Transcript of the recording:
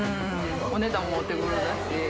お値段もお手ごろだし。